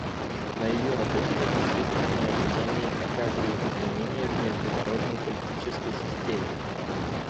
На ее работу непосредственное влияние оказывают изменения в международной политической системе.